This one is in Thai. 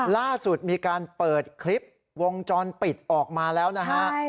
ล่าสุดมีการเปิดคลิปวงจรปิดออกมาแล้วนะฮะ